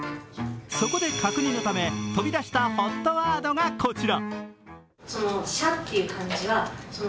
そこで確認のため飛び出したＨＯＴワードがこちら。